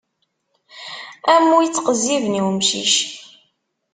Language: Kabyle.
Am wi ittqezziben i umcic.